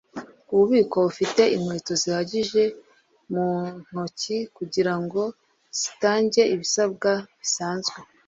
ububiko bufite inkweto zihagije mu ntoki kugirango zitange ibisabwa bisanzwe